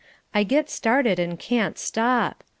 I get started and can't stop.